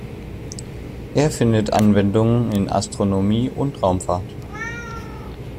Er findet Anwendung in Astronomie und Raumfahrt.